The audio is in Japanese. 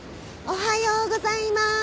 おはようございます。